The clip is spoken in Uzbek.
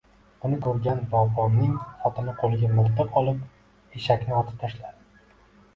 Buni ko‘rgan bog‘bonning xotini qo‘liga miltiq olib, eshakni otib tashladi.